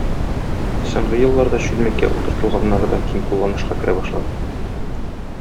Соңгы елларда чүлмәккә утыртылганнары да киң кулланышка керә башлады.